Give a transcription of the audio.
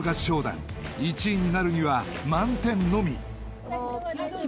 ［１位になるには満点のみ］